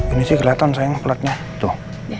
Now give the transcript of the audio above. ini sih keliatan sayang plotnya tuh